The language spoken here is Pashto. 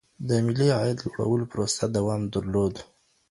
د ملي عايد د لوړولو پروسه دوام درلود.